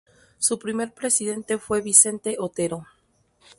Su primer presidente fue Vicente Otero.